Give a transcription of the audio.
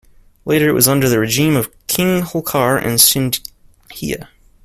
Later, it was under the regime of King Holkar and Sindhia.